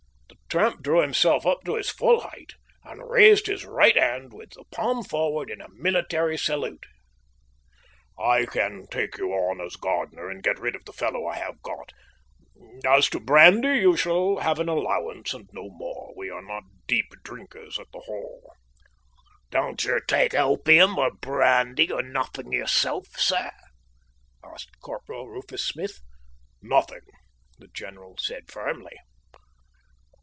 The tramp drew himself up to his full height and raised his right hand with the palm forward in a military salute. "I can take you on as gardener and get rid of the fellow I have got. As to brandy, you shall have an allowance and no more. We are not deep drinkers at the Hall." "Don't you take opium, or brandy, or nothing yourself, sir?" asked Corporal Rufus Smith. "Nothing," the general said firmly.